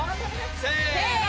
せの！